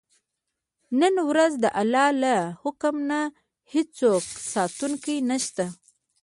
نن ورځ د الله له حکم نه هېڅوک ساتونکی نه شته.